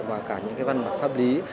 và cả những cái văn bản pháp lý